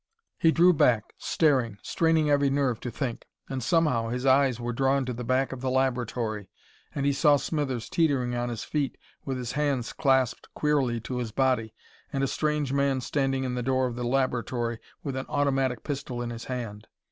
He drew back, staring, straining every nerve to think.... And somehow his eyes were drawn to the back of the laboratory and he saw Smithers teetering on his feet, with his hands clasped queerly to his body, and a strange man standing in the door of the laboratory with an automatic pistol in his hand.